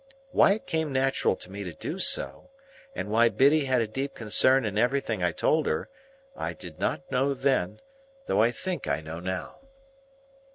Why it came natural to me to do so, and why Biddy had a deep concern in everything I told her, I did not know then, though I think I know now.